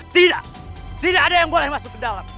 tidak tidak ada yang boleh masuk ke dalam